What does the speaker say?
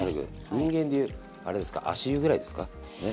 人間でいうあれですか足湯ぐらいですか？ね？